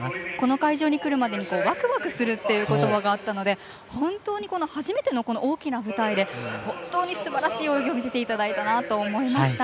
会場に来るまでにワクワクするという言葉があったので初めての大きな舞台で本当にすばらしい泳ぎを見せていただいたなと思いました。